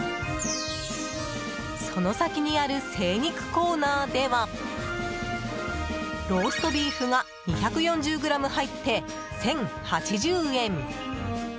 その先にある精肉コーナーではローストビーフが２４０ｇ入って１０８０円。